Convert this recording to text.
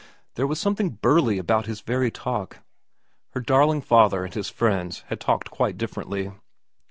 There was something burly about his very talk. Her darling father and his friends had talked quite differently.